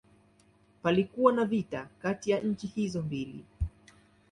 Palikuwa na vita kati ya nchi hizo mbili.